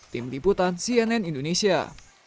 tim liputan cnn indonesia